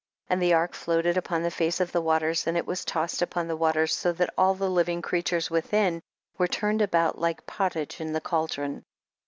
28. And the ark floated upon the face of the waters, and it was tossed upon the waters so that all the living creatures within were turned about like pottage in the cauldron.